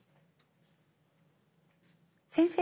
先生？